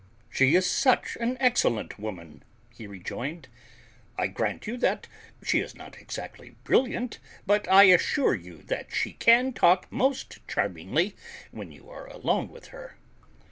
"She is such an excellent woman!" he rejoined. "I grant you that she is not exactly brilliant; but I assure you that she can talk most charmingly when you are alone with her."